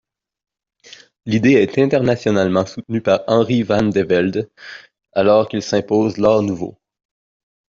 L'idée est internationalement soutenue par Henry Van de Velde alors que s’impose l’Art nouveau.